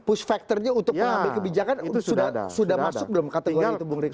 push factornya untuk mengambil kebijakan sudah masuk belum kategori itu bung riko